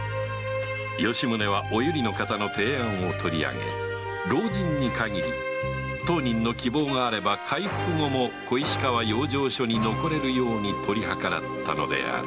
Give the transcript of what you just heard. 吉宗はお由利の方の提案をとり上げ老人に限り当人の希望があれば回復後も小石川養生所に残れるように取り計らったのである